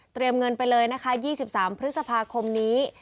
เตรียมเงินเป็นเลยนะคะ๒๓พฤษภาคมนี้